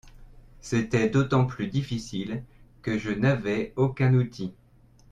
C'était d'autant plus difficile que n'avais aucun outil.